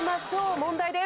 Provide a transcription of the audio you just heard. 問題です。